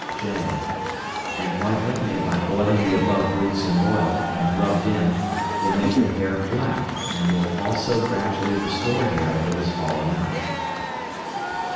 (j). An ointment made by boiling the above roots in oil, and rubbed in, will make the hair black, and will also gradually restore hair that has fallen off.